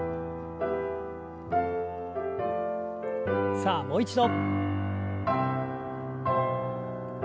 さあもう一度。